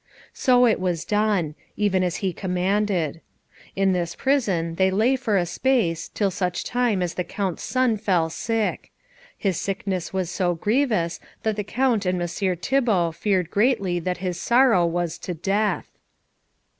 So it was done, even as he commanded. In this prison they lay for a space, till such time as the Count's son fell sick. His sickness was so grievous that the Count and Messire Thibault feared greatly that this sorrow was to death.